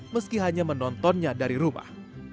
meski hanya menontonnya dari rumah